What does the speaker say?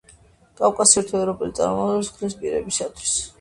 კავკასიური თუ ევროპული წარმომავლობის ხმლის პირებისათვის.